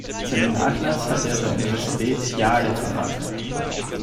Seinen Nachlass hat er der Universität Yale vermacht.